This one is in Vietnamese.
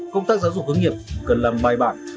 công tác giáo dục hướng nghiệp cần làm bài bản